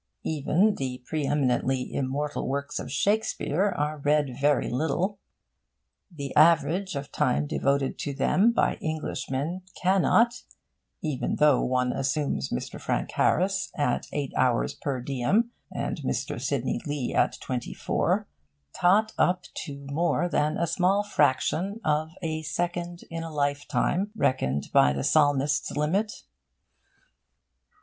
Even the pre eminently immortal works of Shakespeare are read very little. The average of time devoted to them by Englishmen cannot (even though one assess Mr. Frank Harris at eight hours per diem, and Mr. Sidney Lee at twenty four) tot up to more than a small fraction of a second in a lifetime reckoned by the Psalmist's limit.